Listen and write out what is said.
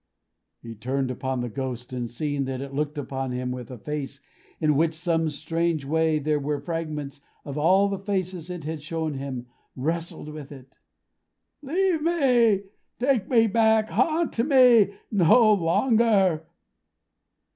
He turned upon the Ghost, and seeing that it looked upon him with a face, in which some strange way there were fragments of all the faces it had shown him, wrestled with it. "Leave me! Take me back. Haunt me no longer!"